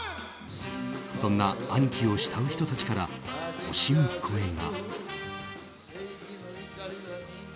そんなアニキを慕う人たちから惜しむ声が。